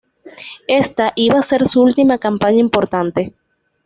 Ésta iba a ser su última campaña importante.